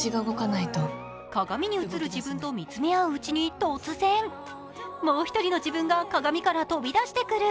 鏡に映る自分と向き合ううちに突然、もう一人の自分が鏡から飛び出してくる。